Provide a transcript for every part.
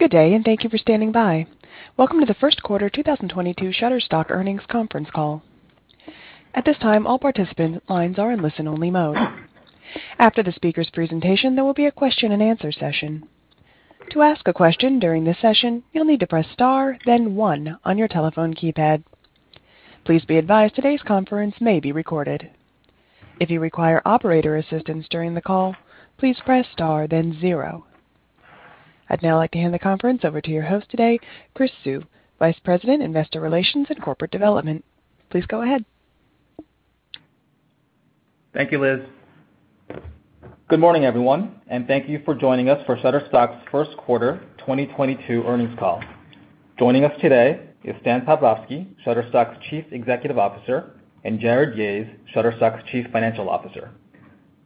Good day, and thank you for standing by. Welcome to the first quarter 2022 Shutterstock earnings conference call. At this time, all participant lines are in listen-only mode. After the speaker's presentation, there will be a question and answer session. To ask a question during this session, you'll need to press Star, then one on your telephone keypad. Please be advised today's conference may be recorded. If you require operator assistance during the call, please press star, then zero. I'd now like to hand the conference over to your host today, Chris Suh, Vice President, Investor Relations and Corporate Development. Please go ahead. Thank you, Liz. Good morning, everyone, and thank you for joining us for Shutterstock's Q1 2022 earnings call. Joining us today is Stan Pavlovsky, Shutterstock's Chief Executive Officer, and Jarrod Yahes, Shutterstock's Chief Financial Officer.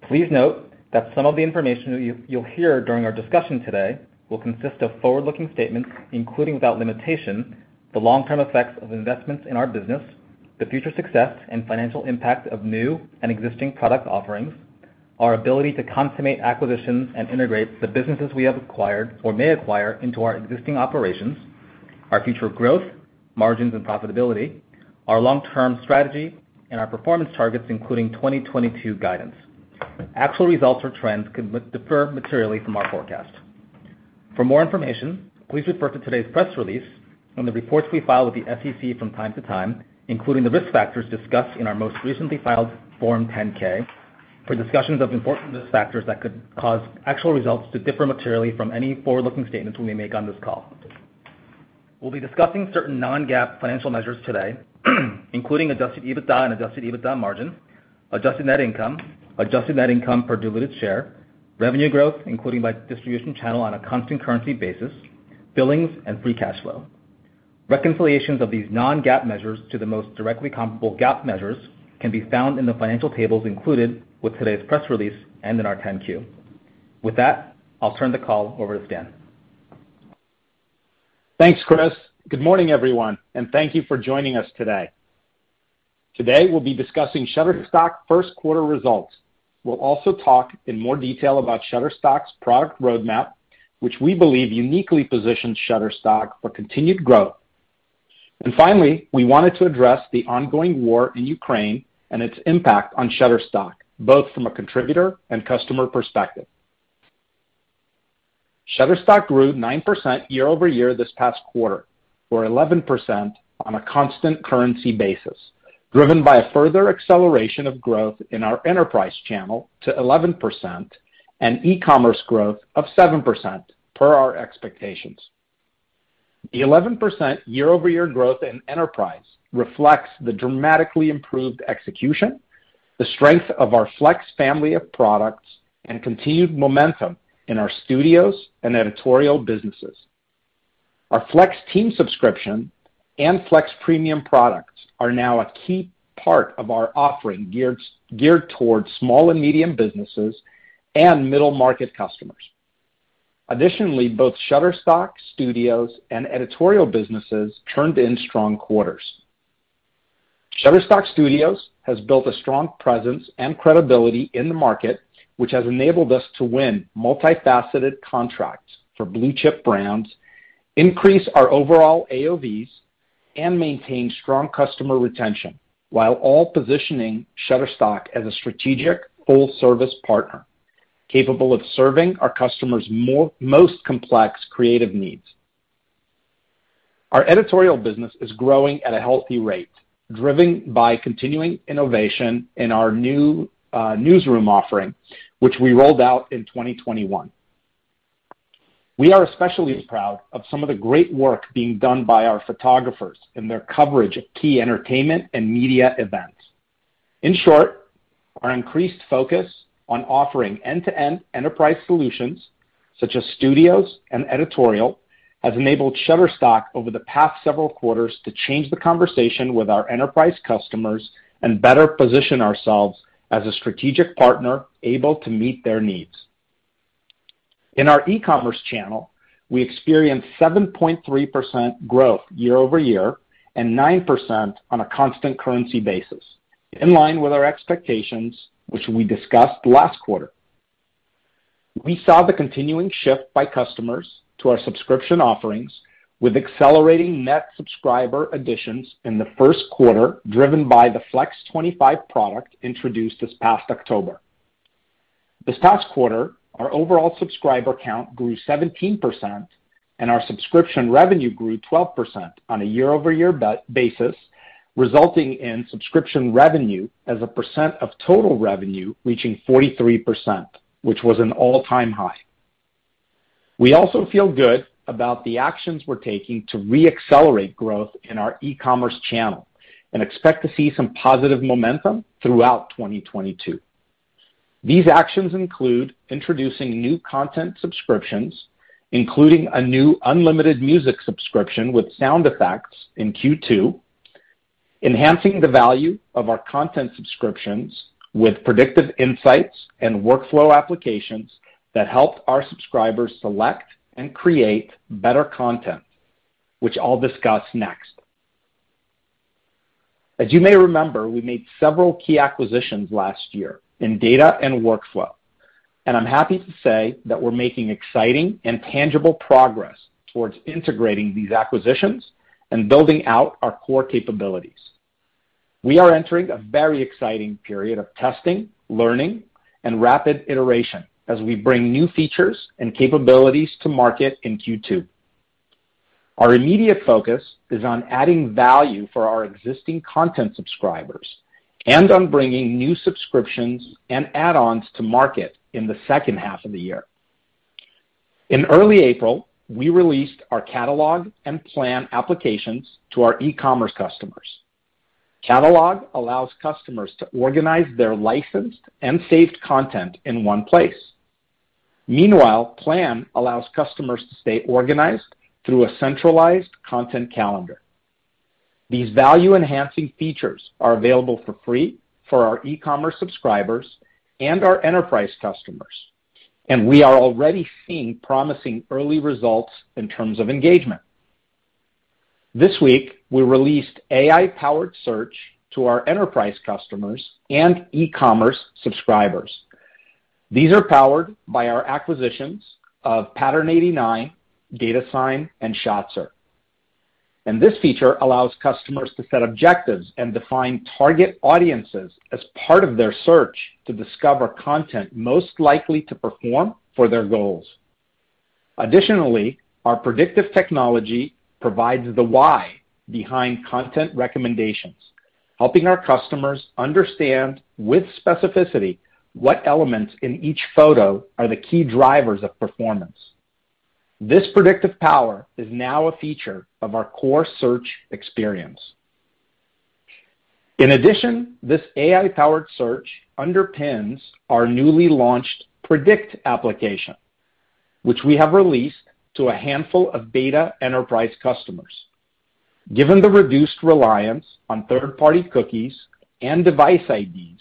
Please note that some of the information you'll hear during our discussion today will consist of forward-looking statements, including without limitation, the long-term effects of investments in our business, the future success and financial impact of new and existing product offerings, our ability to consummate acquisitions and integrate the businesses we have acquired or may acquire into our existing operations, our future growth, margins and profitability, our long-term strategy and our performance targets, including 2022 guidance. Actual results or trends can differ materially from our forecast. For more information, please refer to today's press release on the reports we file with the SEC from time to time, including the risk factors discussed in our most recently filed Form 10-K for discussions of important risk factors that could cause actual results to differ materially from any forward-looking statements we may make on this call. We'll be discussing certain non-GAAP financial measures today, including adjusted EBITDA and adjusted EBITDA margin, adjusted net income, adjusted net income per diluted share, revenue growth, including by distribution channel on a constant currency basis, billings and free cash flow. Reconciliations of these non-GAAP measures to the most directly comparable GAAP measures can be found in the financial tables included with today's press release and in our 10-Q. With that, I'll turn the call over to Stan. Thanks, Chris. Good morning, everyone, and thank you for joining us today. Today we'll be discussing Shutterstock first quarter results. We'll also talk in more detail about Shutterstock's product roadmap, which we believe uniquely positions Shutterstock for continued growth. Finally, we wanted to address the ongoing war in Ukraine and its impact on Shutterstock, both from a contributor and customer perspective. Shutterstock grew 9% year-over-year this past quarter, or 11% on a constant currency basis, driven by a further acceleration of growth in our enterprise channel to 11% and e-commerce growth of 7% per our expectations. The 11% year-over-year growth in enterprise reflects the dramatically improved execution, the strength of our FLEX family of products, and continued momentum in our Studios and Editorial businesses. Our FLEX Team subscription and FLEX Premium products are now a key part of our offering geared towards small and medium businesses and middle market customers. Additionally, both Shutterstock Studios and Editorial businesses turned in strong quarters. Shutterstock Studios has built a strong presence and credibility in the market, which has enabled us to win multifaceted contracts for blue-chip brands, increase our overall AOVs, and maintain strong customer retention, while also positioning Shutterstock as a strategic full-service partner capable of serving our customers' most complex creative needs. Our Editorial business is growing at a healthy rate, driven by continuing innovation in our new Newsroom offering, which we rolled out in 2021. We are especially proud of some of the great work being done by our photographers in their coverage of key entertainment and media events. In short, our increased focus on offering end-to-end enterprise solutions such as Studios and Editorial has enabled Shutterstock over the past several quarters to change the conversation with our enterprise customers and better position ourselves as a strategic partner able to meet their needs. In our e-commerce channel, we experienced 7.3% growth year-over-year and 9% on a constant currency basis, in line with our expectations, which we discussed last quarter. We saw the continuing shift by customers to our subscription offerings with accelerating net subscriber additions in the first quarter, driven by the FLEX 25 product introduced this past October. This past quarter, our overall subscriber count grew 17% and our subscription revenue grew 12% on a year-over-year basis, resulting in subscription revenue as a percent of total revenue reaching 43%, which was an all-time high. We also feel good about the actions we're taking to re-accelerate growth in our e-commerce channel and expect to see some positive momentum throughout 2022. These actions include introducing new content subscriptions, including a new unlimited music subscription with sound effects in Q2, enhancing the value of our content subscriptions with predictive insights and workflow applications that help our subscribers select and create better content, which I'll discuss next. As you may remember, we made several key acquisitions last year in data and workflow. I'm happy to say that we're making exciting and tangible progress towards integrating these acquisitions and building out our core capabilities. We are entering a very exciting period of testing, learning, and rapid iteration as we bring new features and capabilities to market in Q2. Our immediate focus is on adding value for our existing content subscribers and on bringing new subscriptions and add-ons to market in the second half of the year. In early April, we released our Catalog and Plan applications to our e-commerce customers. Catalog allows customers to organize their licensed and saved content in one place. Meanwhile, Plan allows customers to stay organized through a centralized content calendar. These value-enhancing features are available for free for our e-commerce subscribers and our enterprise customers, and we are already seeing promising early results in terms of engagement. This week, we released AI-powered search to our enterprise customers and e-commerce subscribers. These are powered by our acquisitions of Pattern89, Datasine, and Shotzr. This feature allows customers to set objectives and define target audiences as part of their search to discover content most likely to perform for their goals. Additionally, our predictive technology provides the why behind content recommendations, helping our customers understand with specificity what elements in each photo are the key drivers of performance. This predictive power is now a feature of our core search experience. In addition, this AI-powered search underpins our newly launched Predict application, which we have released to a handful of beta enterprise customers. Given the reduced reliance on third-party cookies and device IDs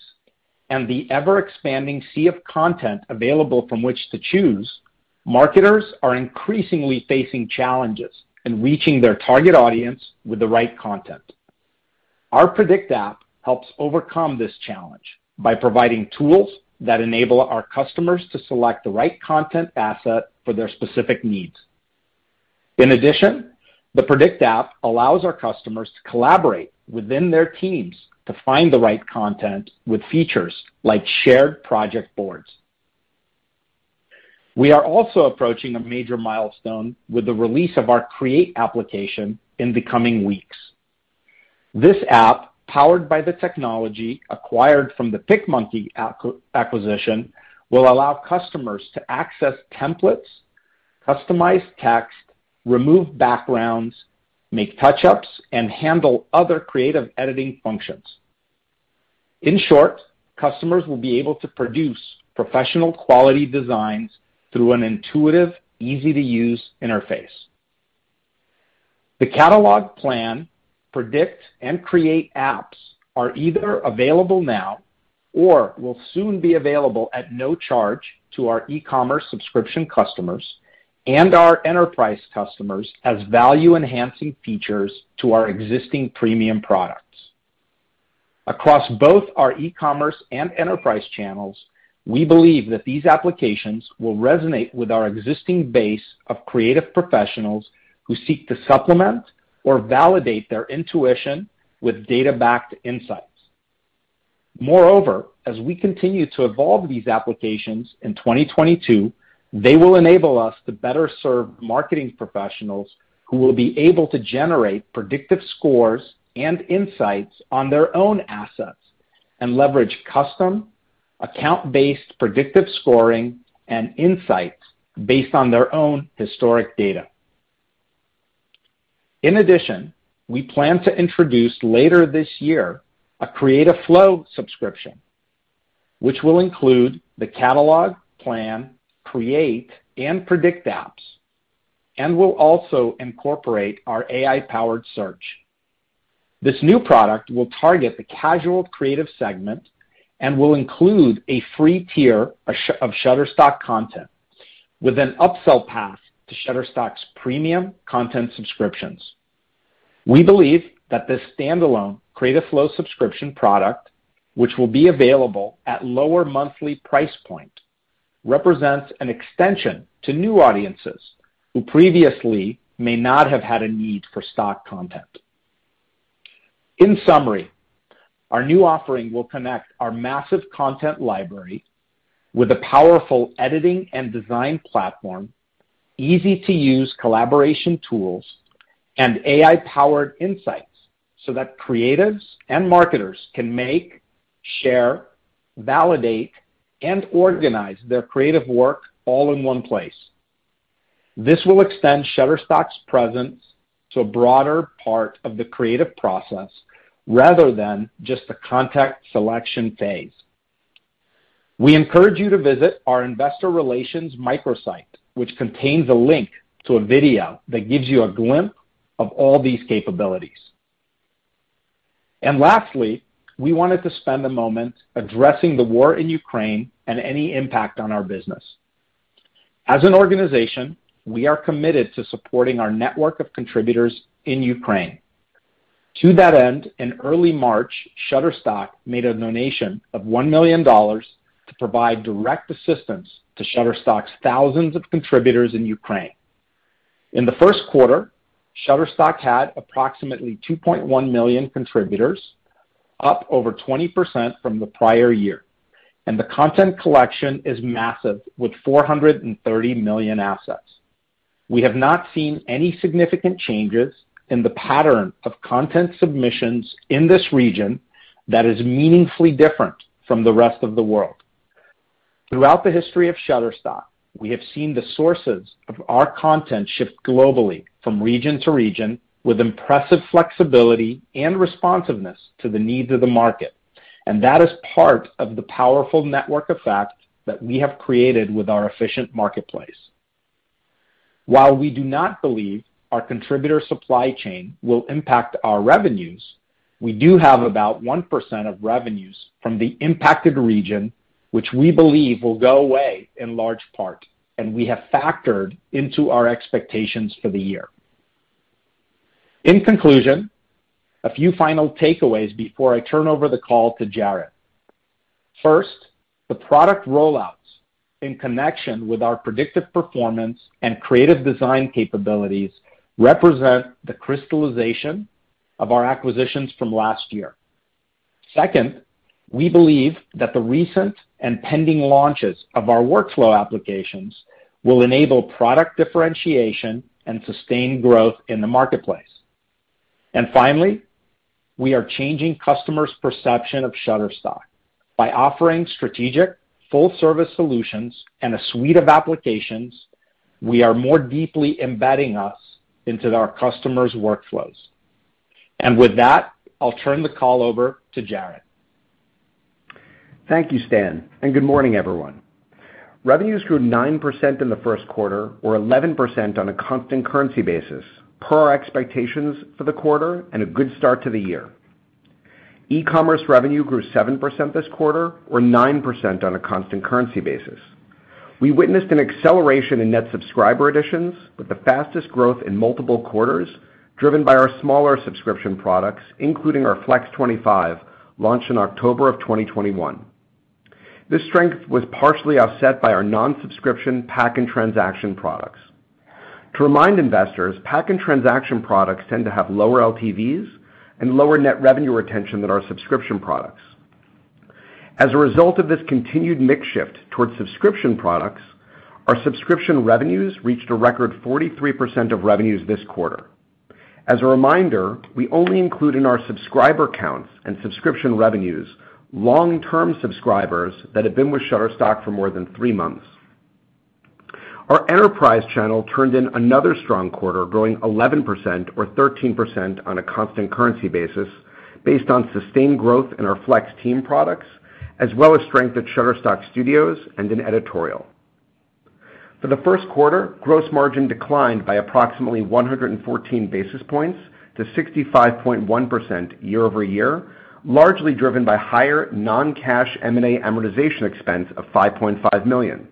and the ever-expanding sea of content available from which to choose, marketers are increasingly facing challenges in reaching their target audience with the right content. Our Predict app helps overcome this challenge by providing tools that enable our customers to select the right content asset for their specific needs. In addition, the Predict app allows our customers to collaborate within their teams to find the right content with features like shared project boards. We are also approaching a major milestone with the release of our Create application in the coming weeks. This app, powered by the technology acquired from the PicMonkey acquisition, will allow customers to access templates, customize text, remove backgrounds, make touch-ups, and handle other creative editing functions. In short, customers will be able to produce professional quality designs through an intuitive, easy-to-use interface. The Catalog, Plan, Predict, and Create apps are either available now or will soon be available at no charge to our e-commerce subscription customers and our enterprise customers as value-enhancing features to our existing premium products. Across both our e-commerce and enterprise channels, we believe that these applications will resonate with our existing base of creative professionals who seek to supplement or validate their intuition with data-backed insights. Moreover, as we continue to evolve these applications in 2022, they will enable us to better serve marketing professionals who will be able to generate predictive scores and insights on their own assets and leverage custom account-based predictive scoring and insights based on their own historic data. In addition, we plan to introduce later this year a Creative Flow subscription, which will include the Catalog, Plan, Create, and Predict apps and will also incorporate our AI-powered search. This new product will target the casual creative segment and will include a free tier of Shutterstock content with an upsell path to Shutterstock's premium content subscriptions. We believe that this standalone Creative Flow subscription product, which will be available at lower monthly price point, represents an extension to new audiences who previously may not have had a need for stock content. In summary, our new offering will connect our massive content library with a powerful editing and design platform, easy-to-use collaboration tools, and AI-powered insights so that creatives and marketers can make, share, validate, and organize their creative work all in one place. This will extend Shutterstock's presence to a broader part of the creative process rather than just the content selection phase. We encourage you to visit our investor relations microsite, which contains a link to a video that gives you a glimpse of all these capabilities. Lastly, we wanted to spend a moment addressing the war in Ukraine and any impact on our business. As an organization, we are committed to supporting our network of contributors in Ukraine. To that end, in early March, Shutterstock made a donation of $1 million to provide direct assistance to Shutterstock's thousands of contributors in Ukraine. In the first quarter, Shutterstock had approximately 2.1 million contributors, up over 20% from the prior year, and the content collection is massive, with 430 million assets. We have not seen any significant changes in the pattern of content submissions in this region that is meaningfully different from the rest of the world. Throughout the history of Shutterstock, we have seen the sources of our content shift globally from region to region with impressive flexibility and responsiveness to the needs of the market, and that is part of the powerful network effect that we have created with our efficient marketplace. While we do not believe our contributor supply chain will impact our revenues, we do have about 1% of revenues from the impacted region, which we believe will go away in large part, and we have factored into our expectations for the year. In conclusion, a few final takeaways before I turn over the call to Jarrod. First, the product rollouts in connection with our predictive performance and creative design capabilities represent the crystallization of our acquisitions from last year. Second, we believe that the recent and pending launches of our workflow applications will enable product differentiation and sustain growth in the marketplace. Finally, we are changing customers' perception of Shutterstock. By offering strategic full-service solutions and a suite of applications, we are more deeply embedding us into our customers' workflows. With that, I'll turn the call over to Jarrod. Thank you, Stan, and good morning, everyone. Revenues grew 9% in the first quarter or 11% on a constant currency basis, per our expectations for the quarter and a good start to the year. E-commerce revenue grew 7% this quarter or 9% on a constant currency basis. We witnessed an acceleration in net subscriber additions, with the fastest growth in multiple quarters, driven by our smaller subscription products, including our FLEX 25, launched in October of 2021. This strength was partially offset by our non-subscription pack and transaction products. To remind investors, pack and transaction products tend to have lower LTVs and lower net revenue retention than our subscription products. As a result of this continued mix shift towards subscription products, our subscription revenues reached a record 43% of revenues this quarter. As a reminder, we only include in our subscriber counts and subscription revenues long-term subscribers that have been with Shutterstock for more than three months. Our enterprise channel turned in another strong quarter, growing 11% or 13% on a constant currency basis, based on sustained growth in our FLEX Team products, as well as strength at Shutterstock Studios and in Editorial. For the first quarter, gross margin declined by approximately 114 basis points to 65.1% year-over-year, largely driven by higher non-cash M&A amortization expense of $5.5 million.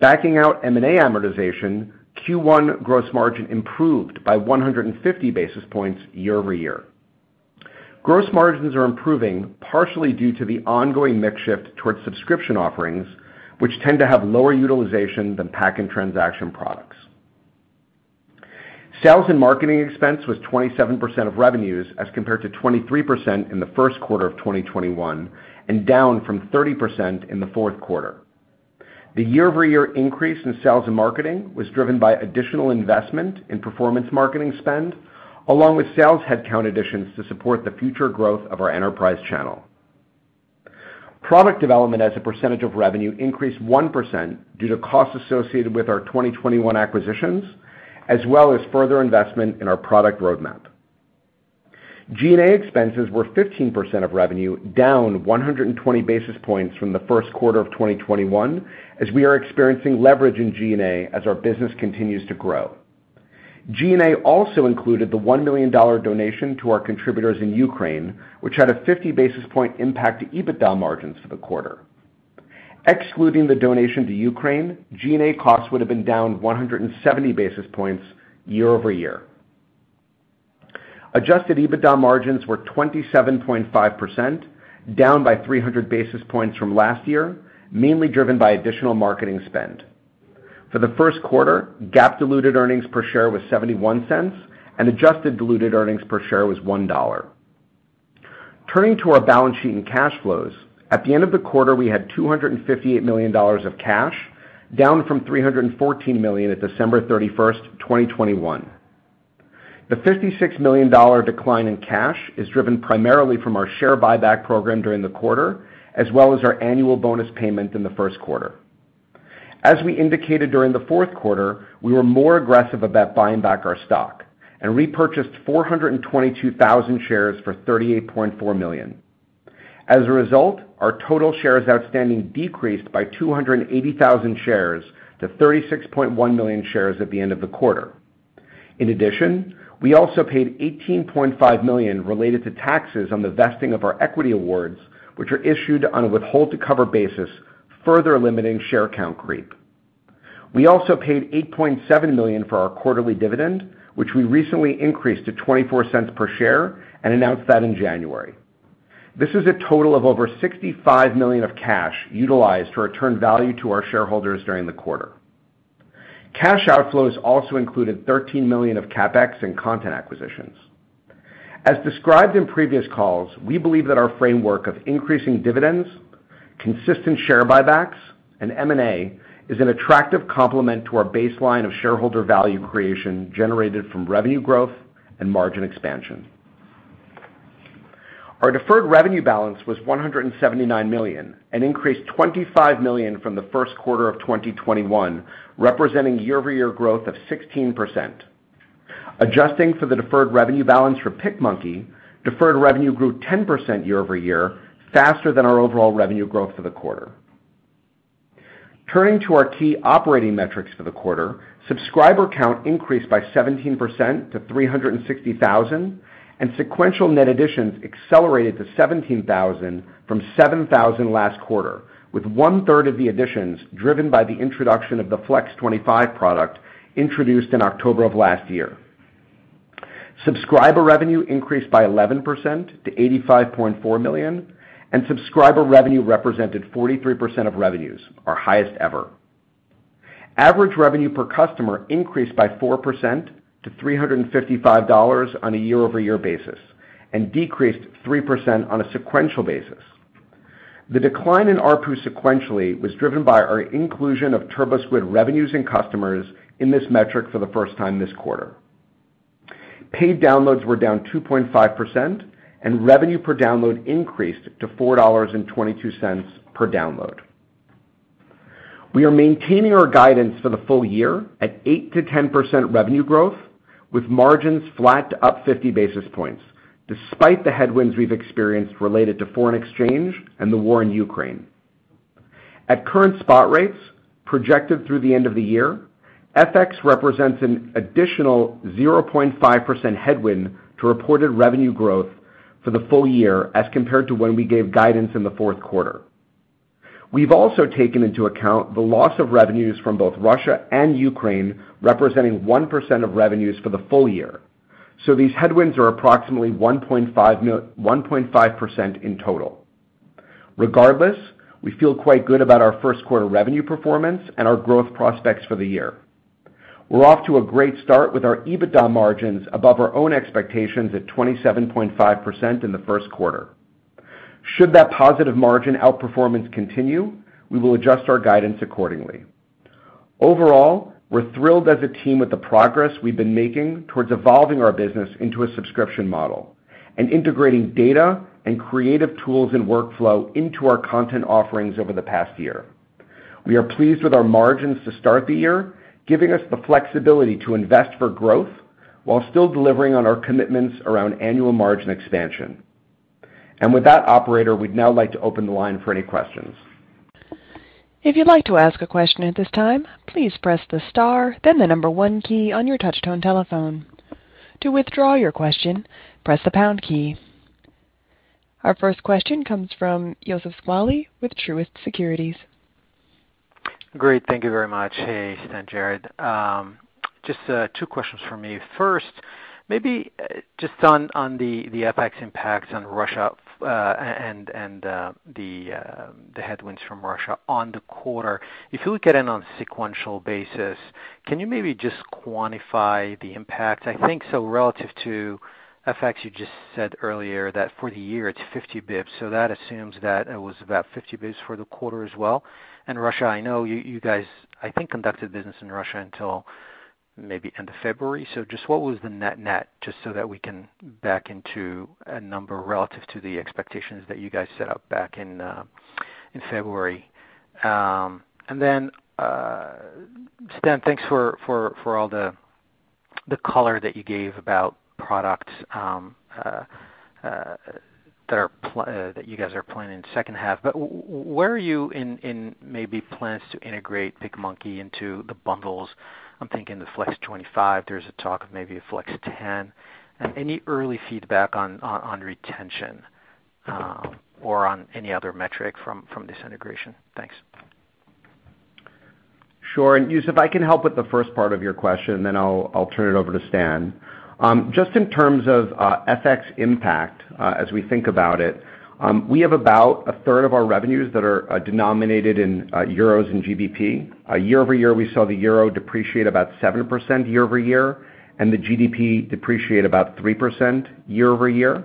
Backing out M&A amortization, Q1 gross margin improved by 150 basis points year-over-year. Gross margins are improving partially due to the ongoing mix shift towards subscription offerings, which tend to have lower utilization than pack and transaction products. Sales and marketing expense was 27% of revenues as compared to 23% in the first quarter of 2021 and down from 30% in the fourth quarter. The year-over-year increase in sales and marketing was driven by additional investment in performance marketing spend along with sales headcount additions to support the future growth of our enterprise channel. Product development as a percentage of revenue increased 1% due to costs associated with our 2021 acquisitions, as well as further investment in our product roadmap. G&A expenses were 15% of revenue, down 120 basis points from the first quarter of 2021, as we are experiencing leverage in G&A as our business continues to grow. G&A also included the $1 million donation to our contributors in Ukraine, which had a 50 basis point impact to EBITDA margins for the quarter. Excluding the donation to Ukraine, G&A costs would have been down 170 basis points year-over-year. Adjusted EBITDA margins were 27.5%, down by 300 basis points from last year, mainly driven by additional marketing spend. For the first quarter, GAAP diluted earnings per share was $0.71 and adjusted diluted earnings per share was $1. Turning to our balance sheet and cash flows, at the end of the quarter, we had $258 million of cash, down from $314 million at December 31, 2021. The $56 million decline in cash is driven primarily from our share buyback program during the quarter, as well as our annual bonus payment in the first quarter. As we indicated during the fourth quarter, we were more aggressive about buying back our stock and repurchased 422,000 shares for $38.4 million. As a result, our total shares outstanding decreased by 280,000 shares to 36.1 million shares at the end of the quarter. In addition, we also paid $18.5 million related to taxes on the vesting of our equity awards, which are issued on a withhold to cover basis, further limiting share count creep. We also paid $8.7 million for our quarterly dividend, which we recently increased to $0.24 per share and announced that in January. This is a total of over $65 million of cash utilized to return value to our shareholders during the quarter. Cash outflows also included $13 million of CapEx and content acquisitions. As described in previous calls, we believe that our framework of increasing dividends, consistent share buybacks, and M&A is an attractive complement to our baseline of shareholder value creation generated from revenue growth and margin expansion. Our deferred revenue balance was $179 million, an increase $25 million from the first quarter of 2021, representing year-over-year growth of 16%. Adjusting for the deferred revenue balance for PicMonkey, deferred revenue grew 10% year-over-year, faster than our overall revenue growth for the quarter. Turning to our key operating metrics for the quarter, subscriber count increased by 17% to 360,000, and sequential net additions accelerated to 17,000 from 7,000 last quarter, with one-third of the additions driven by the introduction of the FLEX 25 product introduced in October of last year. Subscriber revenue increased by 11% to $85.4 million, and subscriber revenue represented 43% of revenues, our highest ever. Average revenue per customer increased by 4% to $355 on a year-over-year basis and decreased 3% on a sequential basis. The decline in ARPU sequentially was driven by our inclusion of TurboSquid revenues and customers in this metric for the first time this quarter. Paid downloads were down 2.5%, and revenue per download increased to $4.22 per download. We are maintaining our guidance for the full year at 8%-10% revenue growth, with margins flat to up 50 basis points, despite the headwinds we've experienced related to foreign exchange and the war in Ukraine. At current spot rates projected through the end of the year, FX represents an additional 0.5% headwind to reported revenue growth for the full year as compared to when we gave guidance in the fourth quarter. We've also taken into account the loss of revenues from both Russia and Ukraine, representing 1% of revenues for the full year. These headwinds are approximately 1.5% in total. Regardless, we feel quite good about our first quarter revenue performance and our growth prospects for the year. We're off to a great start with our EBITDA margins above our own expectations at 27.5% in the first quarter. Should that positive margin outperformance continue, we will adjust our guidance accordingly. Overall, we're thrilled as a team with the progress we've been making towards evolving our business into a subscription model and integrating data and creative tools and workflow into our content offerings over the past year. We are pleased with our margins to start the year, giving us the flexibility to invest for growth while still delivering on our commitments around annual margin expansion. With that, operator, we'd now like to open the line for any questions. If you'd like to ask a question at this time, please press the star, then the number one key on your touch tone telephone. To withdraw your question, press the pound key. Our first question comes from Youssef Squali with Truist Securities. Great. Thank you very much. Hey, Stan, Jarrod. Just two questions from me. First, maybe just on the FX impacts on Russia, and the headwinds from Russia on the quarter. If you look at it on a sequential basis, can you maybe just quantify the impact? I think so relative to FX, you just said earlier that for the year, it's 50 basis points. So that assumes that it was about 50 basis points for the quarter as well. Russia, I know you guys, I think, conducted business in Russia until maybe end of February. So just what was the net-net just so that we can back into a number relative to the expectations that you guys set up back in February. Stan, thanks for all the color that you gave about products that you guys are planning second half. Where are you in maybe plans to integrate PicMonkey into the bundles? I'm thinking the FLEX 25, there's a talk of maybe a FLEX 10. Any early feedback on retention or on any other metric from this integration? Thanks. Sure. Youssef, I can help with the first part of your question, then I'll turn it over to Stan. Just in terms of FX impact, as we think about it, we have about a third of our revenues that are denominated in euros and GBP. Year-over-year, we saw the euro depreciate about 7% year-over-year, and the GBP depreciate about 3% year-over-year.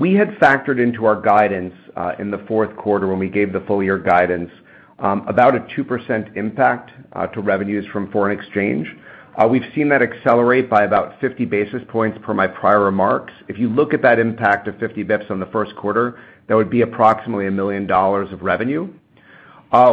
We had factored into our guidance in the fourth quarter when we gave the full year guidance about a 2% impact to revenues from foreign exchange. We've seen that accelerate by about 50 basis points per my prior remarks. If you look at that impact of 50 basis points on the first quarter, that would be approximately $1 million of revenue.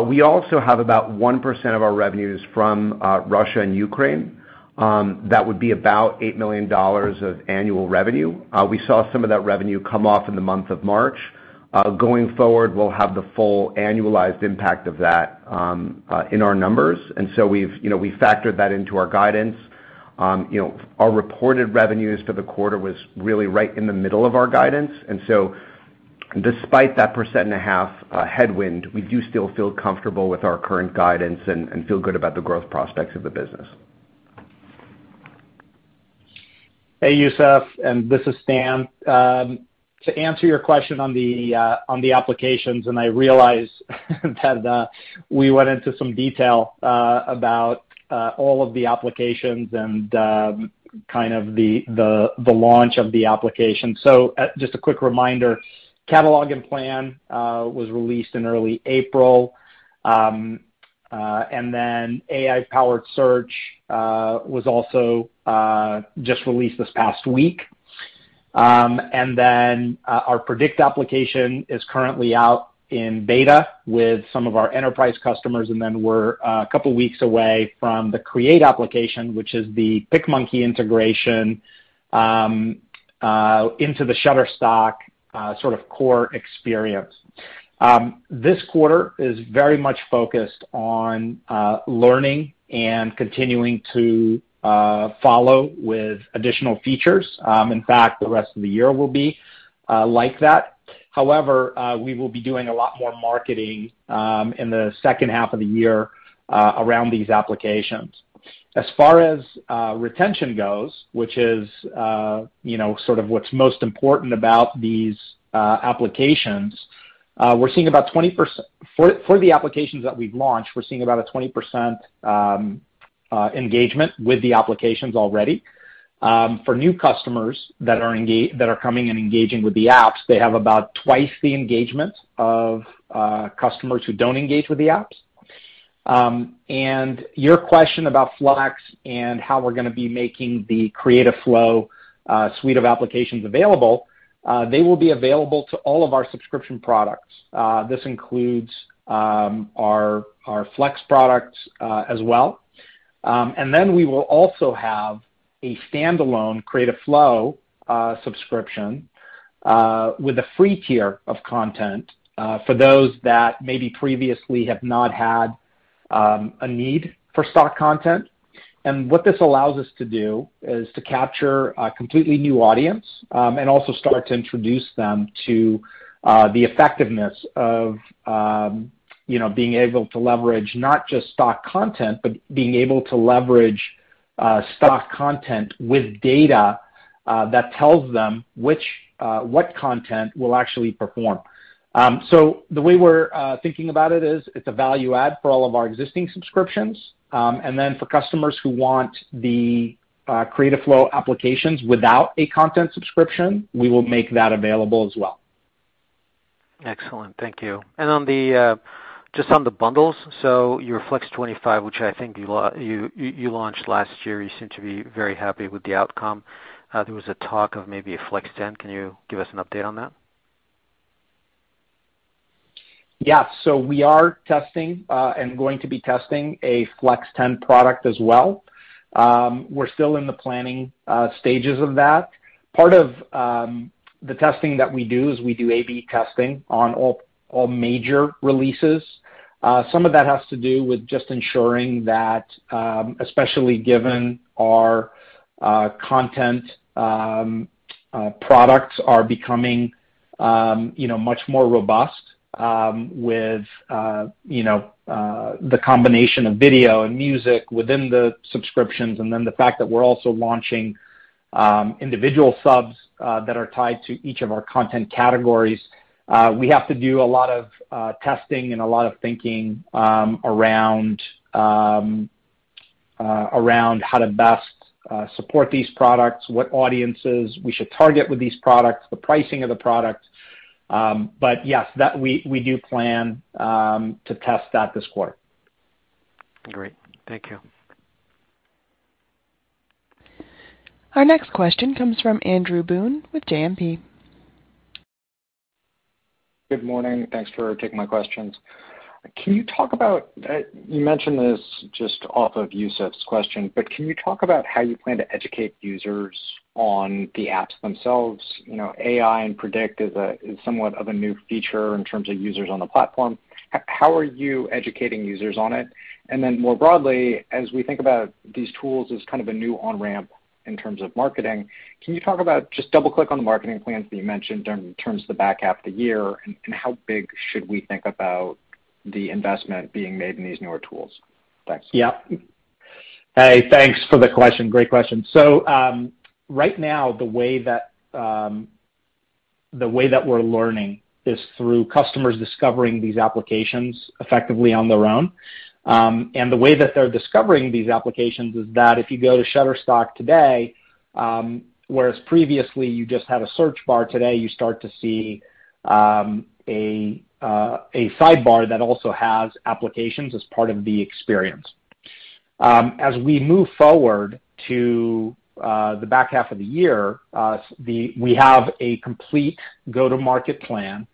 We also have about 1% of our revenues from Russia and Ukraine. That would be about $8 million of annual revenue. We saw some of that revenue come off in the month of March. Going forward, we'll have the full annualized impact of that in our numbers. We've, you know, we factored that into our guidance. You know, our reported revenues for the quarter was really right in the middle of our guidance. Despite that 1.5% headwind, we do still feel comfortable with our current guidance and feel good about the growth prospects of the business. Hey, Youssef. This is Stan. To answer your question on the applications, I realize that we went into some detail about all of the applications and kind of the launch of the application. Just a quick reminder, Catalog and Plan was released in early April. AI-powered search was also just released this past week. Our Predict application is currently out in beta with some of our enterprise customers. We're a couple weeks away from the Create application, which is the PicMonkey integration into the Shutterstock sort of core experience. This quarter is very much focused on learning and continuing to follow with additional features. In fact, the rest of the year will be like that. However, we will be doing a lot more marketing in the second half of the year around these applications. As far as retention goes, which is you know sort of what's most important about these applications, for the applications that we've launched, we're seeing about a 20% engagement with the applications already. For new customers that are coming and engaging with the apps, they have about twice the engagement of customers who don't engage with the apps. Your question about FLEX and how we're gonna be making the Creative Flow suite of applications available, they will be available to all of our subscription products. This includes our FLEX products as well. Then we will also have a standalone Creative Flow subscription with a free tier of content for those that maybe previously have not had a need for stock content. What this allows us to do is to capture a completely new audience and also start to introduce them to the effectiveness of you know being able to leverage not just stock content but being able to leverage stock content with data that tells them what content will actually perform. The way we're thinking about it is it's a value add for all of our existing subscriptions. Then for customers who want the Creative Flow applications without a content subscription, we will make that available as well. Excellent. Thank you. On the, just on the bundles, so your FLEX 25, which I think you launched last year, you seem to be very happy with the outcome. There was a talk of maybe a FLEX 10. Can you give us an update on that? Yeah. We are testing and going to be testing a FLEX 10 product as well. We're still in the planning stages of that. Part of the testing that we do is we do A/B testing on all major releases. Some of that has to do with just ensuring that, especially given our content products are becoming, you know, much more robust, with, you know, the combination of video and music within the subscriptions, and then the fact that we're also launching individual subs that are tied to each of our content categories. We have to do a lot of testing and a lot of thinking around how to best support these products, what audiences we should target with these products, the pricing of the product, but yes we do plan to test that this quarter. Great. Thank you. Our next question comes from Andrew Boone with JMP. Good morning. Thanks for taking my questions. Can you talk about, you mentioned this just off of Youssef's question, but can you talk about how you plan to educate users on the apps themselves? You know, AI and Predict is somewhat of a new feature in terms of users on the platform. How are you educating users on it? And then more broadly, as we think about these tools as kind of a new on-ramp in terms of marketing, can you talk about just double-click on the marketing plans that you mentioned in terms of the back half of the year, and how big should we think about the investment being made in these newer tools? Thanks. Yeah. Hey, thanks for the question. Great question. Right now, the way that we're learning is through customers discovering these applications effectively on their own. The way that they're discovering these applications is that if you go to Shutterstock today, whereas previously you just had a search bar, today, you start to see a sidebar that also has applications as part of the experience. As we move forward to the back half of the year, we have a complete go-to-market plan,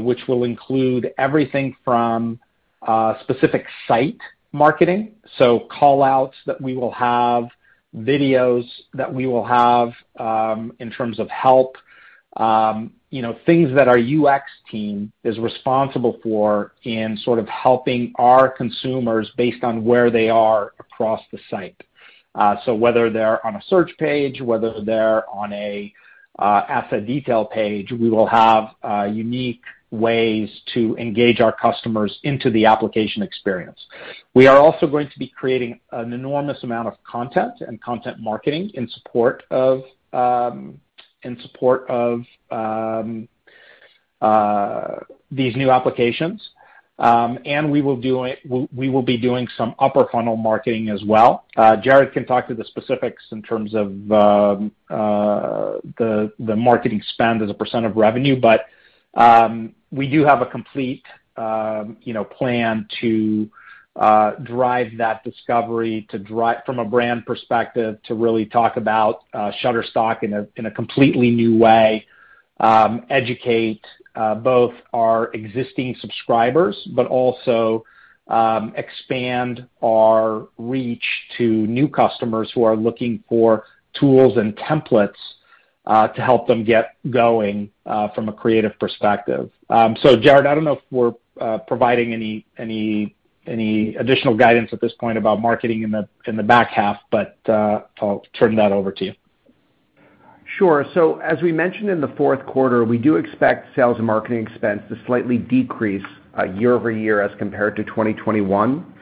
which will include everything from specific site marketing, so call-outs that we will have, videos that we will have, in terms of help, you know, things that our UX team is responsible for in sort of helping our consumers based on where they are across the site. Whether they're on a search page, whether they're on an asset detail page, we will have unique ways to engage our customers into the application experience. We are also going to be creating an enormous amount of content and content marketing in support of these new applications. We will be doing some upper funnel marketing as well. Jarrod can talk to the specifics in terms of the marketing spend as a % of revenue. We do have a complete, you know, plan to drive that discovery from a brand perspective, to really talk about Shutterstock in a completely new way, educate both our existing subscribers, but also expand our reach to new customers who are looking for tools and templates to help them get going from a creative perspective. Jarrod, I don't know if we're providing any additional guidance at this point about marketing in the back half, but I'll turn that over to you. Sure. As we mentioned in the fourth quarter, we do expect sales and marketing expense to slightly decrease year-over-year as compared to 2021.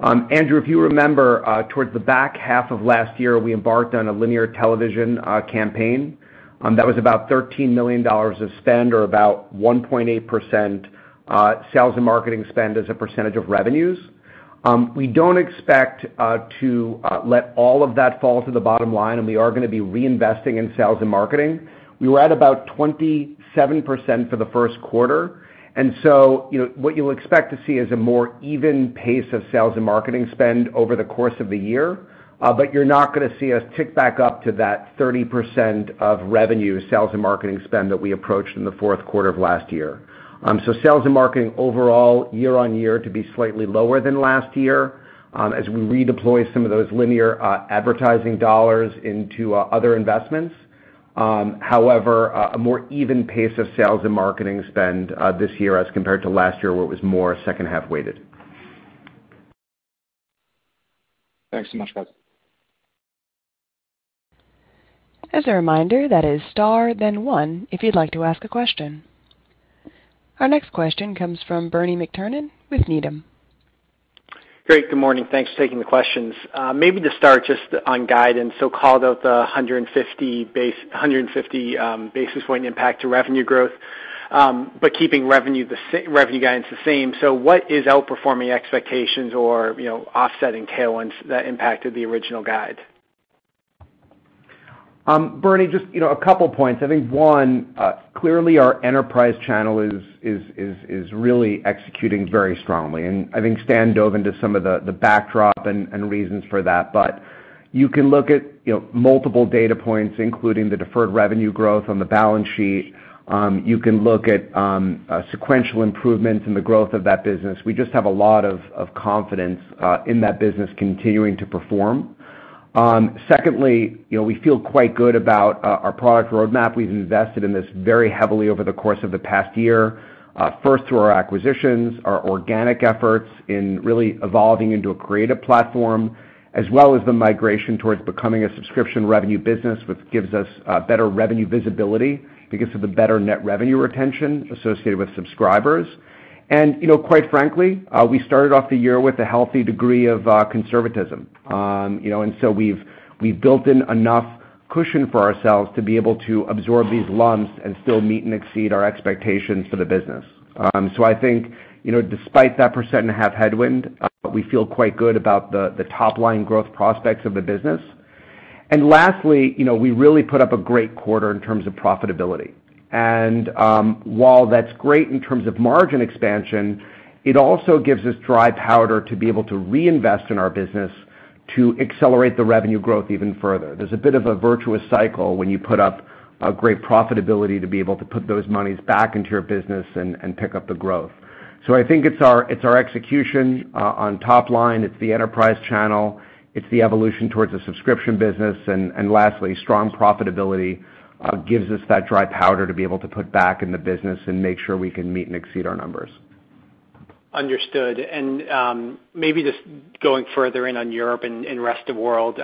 Andrew, if you remember, towards the back half of last year, we embarked on a linear television campaign that was about $13 million of spend or about 1.8% sales and marketing spend as a percentage of revenues. We don't expect to let all of that fall to the bottom line, and we are gonna be reinvesting in sales and marketing. We were at about 27% for the first quarter. You know, what you'll expect to see is a more even pace of sales and marketing spend over the course of the year. You're not gonna see us tick back up to that 30% of revenue, sales and marketing spend that we approached in the fourth quarter of last year. Sales and marketing overall year-over-year to be slightly lower than last year, as we redeploy some of those linear advertising dollars into other investments. However, a more even pace of sales and marketing spend this year as compared to last year where it was more second half weighted. Thanks so much, guys. Our next question comes from Bernie McTernan with Needham. Great. Good morning. Thanks for taking the questions. Maybe to start just on guidance. Call it the 150 basis point impact to revenue growth, but keeping revenue guidance the same. What is outperforming expectations or, you know, offsetting tailwinds that impacted the original guide? Bernie, just, you know, a couple points. I think one, clearly our enterprise channel is really executing very strongly, and I think Stan dove into some of the backdrop and reasons for that. You can look at, you know, multiple data points, including the deferred revenue growth on the balance sheet. You can look at sequential improvements in the growth of that business. We just have a lot of confidence in that business continuing to perform. Secondly, you know, we feel quite good about our product roadmap. We've invested in this very heavily over the course of the past year. First through our acquisitions, our organic efforts in really evolving into a creative platform, as well as the migration towards becoming a subscription revenue business, which gives us better revenue visibility because of the better net revenue retention associated with subscribers. You know, quite frankly, we started off the year with a healthy degree of conservatism. You know, we've built in enough cushion for ourselves to be able to absorb these lumps and still meet and exceed our expectations for the business. I think, you know, despite that 1.5% headwind, we feel quite good about the top-line growth prospects of the business. Lastly, you know, we really put up a great quarter in terms of profitability. While that's great in terms of margin expansion, it also gives us dry powder to be able to reinvest in our business to accelerate the revenue growth even further. There's a bit of a virtuous cycle when you put up a great profitability to be able to put those monies back into your business and pick up the growth. I think it's our execution on top line, it's the enterprise channel, it's the evolution towards a subscription business, and lastly, strong profitability gives us that dry powder to be able to put back in the business and make sure we can meet and exceed our numbers. Understood. Maybe just going further in on Europe and rest of world,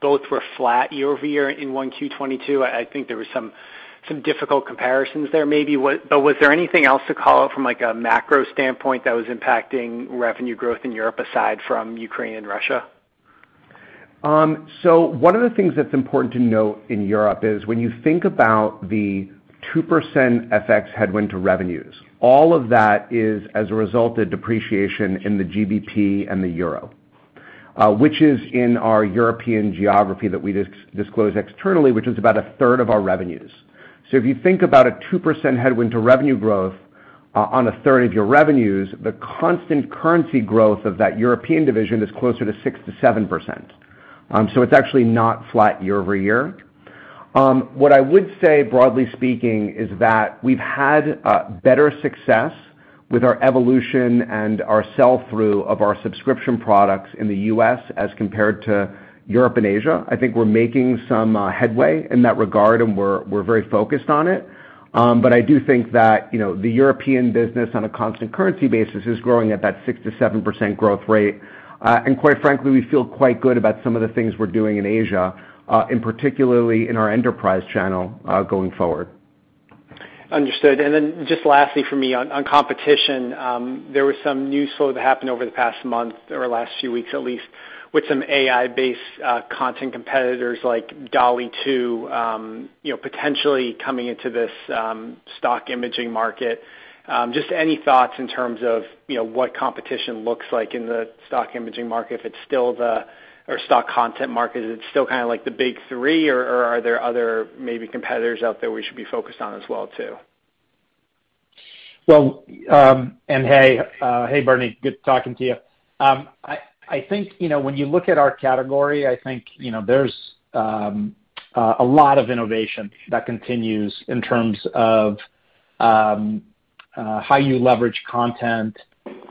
both were flat year-over-year in 1Q 2022. I think there were some difficult comparisons there maybe. Was there anything else to call out from like a macro standpoint that was impacting revenue growth in Europe aside from Ukraine and Russia? One of the things that's important to note in Europe is when you think about the 2% FX headwind to revenues, all of that is as a result of depreciation in the GBP and the euro, which is in our European geography that we disclose externally, which is about a third of our revenues. If you think about a 2% headwind to revenue growth on a third of your revenues, the constant currency growth of that European division is closer to 6%-7%. It's actually not flat year-over-year. What I would say broadly speaking is that we've had better success with our evolution and our sell-through of our subscription products in the U.S. as compared to Europe and Asia. I think we're making some headway in that regard, and we're very focused on it. But I do think that, you know, the European business on a constant currency basis is growing at that 6%-7% growth rate. Quite frankly, we feel quite good about some of the things we're doing in Asia, and particularly in our enterprise channel, going forward. Understood. Then just lastly for me on competition, there was some news flow that happened over the past month or last few weeks, at least, with some AI-based content competitors like DALL-E 2, you know, potentially coming into this stock imaging market. Just any thoughts in terms of, you know, what competition looks like in the stock imaging market, if it's still the or stock content market, is it still kinda like the big three, or are there other maybe competitors out there we should be focused on as well too? Well, hey, Bernie, good talking to you. I think, you know, when you look at our category, I think, you know, there's a lot of innovation that continues in terms of how you leverage content,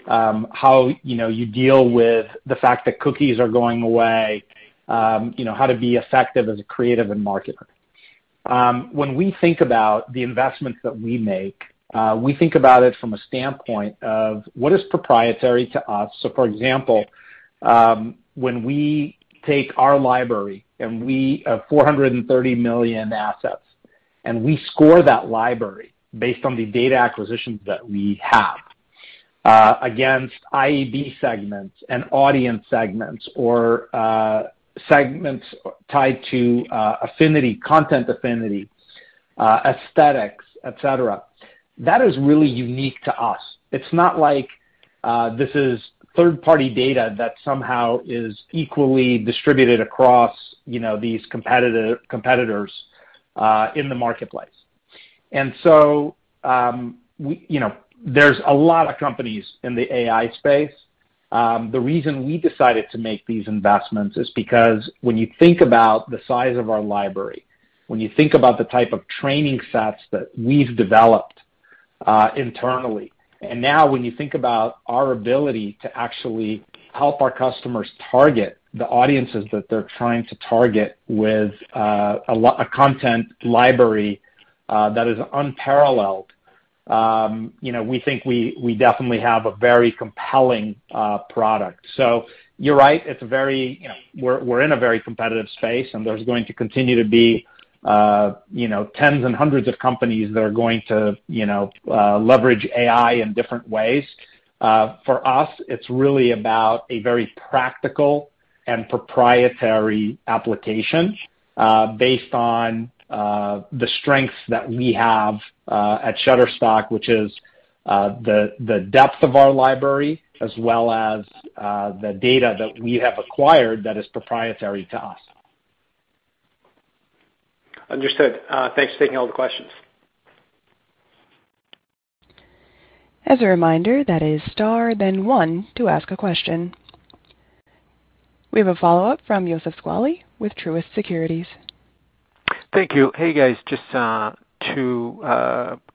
how, you know, you deal with the fact that cookies are going away, you know, how to be effective as a creative and marketer. When we think about the investments that we make, we think about it from a standpoint of what is proprietary to us. So for example, when we take our library and we have 430 million assets, and we score that library based on the data acquisitions that we have, against IAB segments and audience segments or segments tied to affinity, content affinity, aesthetics, et cetera. That is really unique to us. It's not like this is third-party data that somehow is equally distributed across, you know, these competitors in the marketplace. There's a lot of companies in the AI space. The reason we decided to make these investments is because when you think about the size of our library, when you think about the type of training sets that we've developed internally, and now when you think about our ability to actually help our customers target the audiences that they're trying to target with a content library that is unparalleled, you know, we think we definitely have a very compelling product. You're right, it's very, you know, we're in a very competitive space, and there's going to continue to be, you know, tens and hundreds of companies that are going to, you know, leverage AI in different ways. For us, it's really about a very practical and proprietary application based on the strengths that we have at Shutterstock, which is the depth of our library as well as the data that we have acquired that is proprietary to us. Understood. Thanks for taking all the questions. As a reminder, that is star then one to ask a question. We have a follow-up from Youssef Squali with Truist Securities. Thank you. Hey, guys. Just two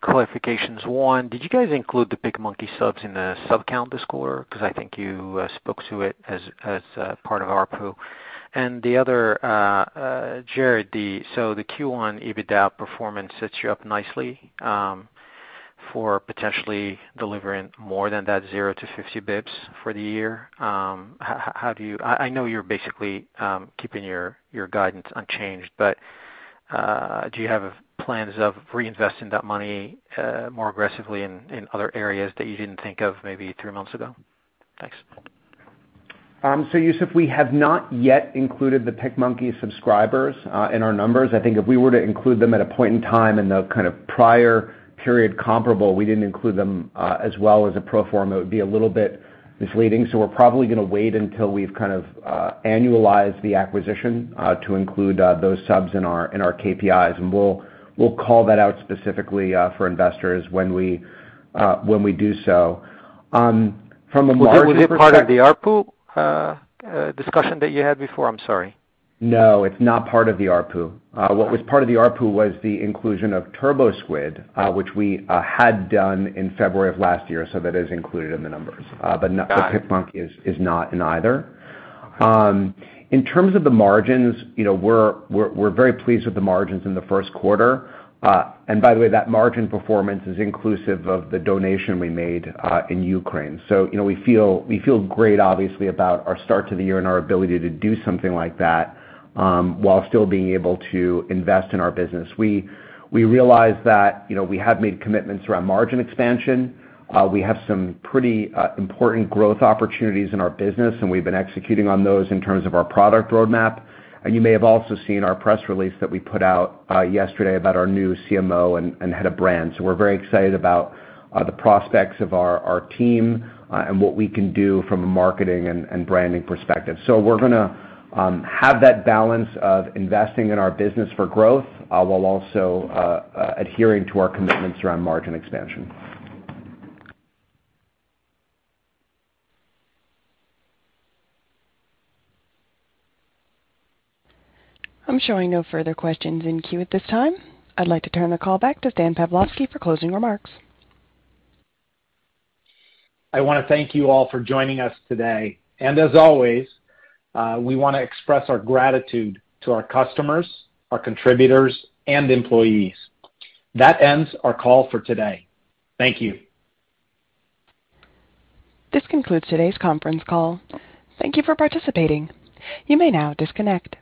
qualifications. One, did you guys include the PicMonkey subs in the sub count this quarter? 'Cause I think you spoke to it as part of ARPU. The other, Jarrod, so the Q1 EBITDA performance sets you up nicely for potentially delivering more than that 0-50 BPS for the year. I know you're basically keeping your guidance unchanged, but do you have plans of reinvesting that money more aggressively in other areas that you didn't think of maybe three months ago? Thanks. Youssef, we have not yet included the PicMonkey subscribers in our numbers. I think if we were to include them at a point in time in the kind of prior period comparable, we didn't include them as well as a pro forma, it would be a little bit misleading. We're probably gonna wait until we've kind of annualized the acquisition to include those subs in our KPIs, and we'll call that out specifically for investors when we do so. From a margin perspective- Was this a part of the ARPU discussion that you had before? I'm sorry. No, it's not part of the ARPU. What was part of the ARPU was the inclusion of TurboSquid, which we had done in February of last year, so that is included in the numbers. PicMonkey is not in either. In terms of the margins, you know, we're very pleased with the margins in the first quarter. By the way, that margin performance is inclusive of the donation we made in Ukraine. You know, we feel great obviously about our start to the year and our ability to do something like that, while still being able to invest in our business. We realize that, you know, we have made commitments around margin expansion. We have some pretty important growth opportunities in our business, and we've been executing on those in terms of our product roadmap. You may have also seen our press release that we put out yesterday about our new CMO and head of brand. We're very excited about the prospects of our team and what we can do from a marketing and branding perspective. We're gonna have that balance of investing in our business for growth while also adhering to our commitments around margin expansion. I'm showing no further questions in queue at this time. I'd like to turn the call back to Stan Pavlovsky for closing remarks. I wanna thank you all for joining us today. As always, we wanna express our gratitude to our customers, our contributors, and employees. That ends our call for today. Thank you. This concludes today's conference call. Thank you for participating. You may now disconnect.